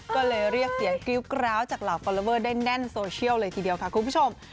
ก็เลยเรียกเสียงกิ้วกร้าวจากเหล่าฟอลลอเวอร์ได้แน่นโซเชียลเลยทีเดียวค่ะคุณผู้ชม